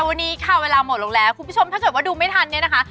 วันนี้ค่ะเวลาหมดลงแล้วคุณผู้ชมถ้าเกิดว่าดูไม่ทันเนี่ยนะคะ